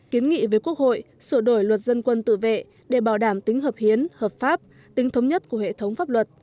kiến nghị với quốc hội sửa đổi luật dân quân tự vệ để bảo đảm tính hợp hiến hợp pháp tính thống nhất của hệ thống pháp luật